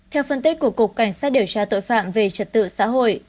theo phân tích của cục cảnh sát điều tra tội phạm về trật tự xã hội